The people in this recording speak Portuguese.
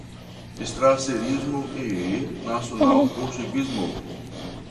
Strasserismo e nacional-bolchevismo